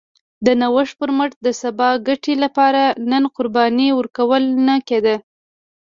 د نوښت پر مټ د سبا ګټې لپاره نن قرباني ورکول نه کېده